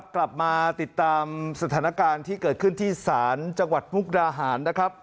กลับมาติดตามสถานการณ์ที่เกิดขึ้นที่ศาลจังหวัดมุกดาหารนะครับ